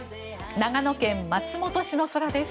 長野県松本市の空です。